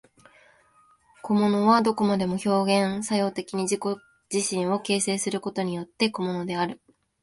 個物はどこまでも表現作用的に自己自身を形成することによって個物である。